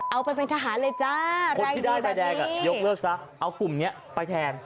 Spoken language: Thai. เอาไปเป็นทหารเลยจ้าคนที่ได้ใบแดงอ่ะยกเลิกซะเอากลุ่มนี้ไปแทน